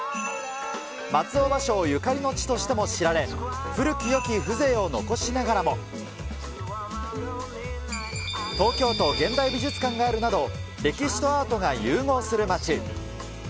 松尾芭蕉ゆかりの地としても知られ、古きよき風情を残しながらも、東京都現代美術館があるなど、歴史とアートが融合する街。